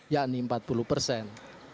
yakni empat puluh persen